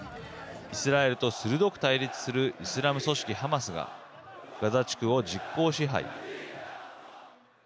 イスラエルと鋭く対立するイスラム組織ハマスがガザ地区を実効支配。